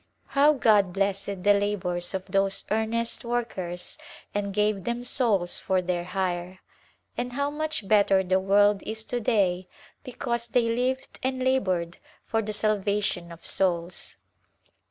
How God blessed the labors of those earnest workers and gave them souls for their hire ! And how much better the world is to day because they lived and labored for the salvation of souls